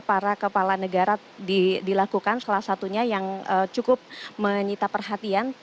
para kepala negara dilakukan salah satunya yang cukup menyita perhatian